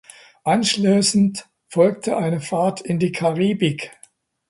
Anschließend folgte eine Fahrt in die Karibik.